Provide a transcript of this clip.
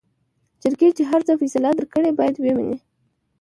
جرګې چې هر څه فيصله درکړې بايد وې منې.